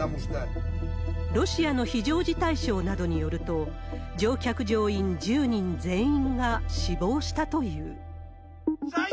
ロシアの非常事態省などによると、乗客・乗員１０人全員が死亡したという。